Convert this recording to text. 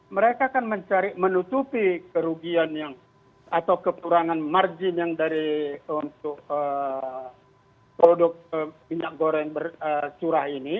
mereka akan mencari menutupi kerugian yang atau kekurangan margin yang dari untuk produk minyak goreng curah ini